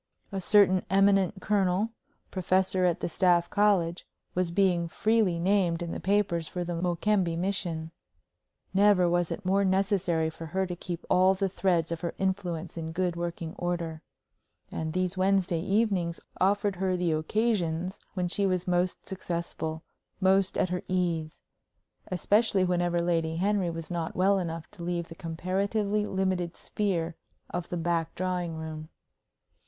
A certain eminent colonel, professor at the Staff College, was being freely named in the papers for the Mokembe mission. Never was it more necessary for her to keep all the threads of her influence in good working order. And these Wednesday evenings offered her the occasions when she was most successful, most at her ease especially whenever Lady Henry was not well enough to leave the comparatively limited sphere of the back drawing room.